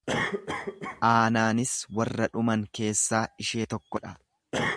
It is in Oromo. Aanaanis warra dhuman keessaa ishee tokko dha.